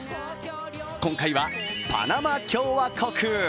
今回はパナマ共和国。